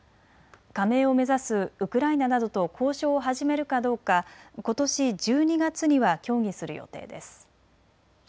加盟を目指すウクライナなどと交渉を始めるかどうかことし１２月には協議する予定です。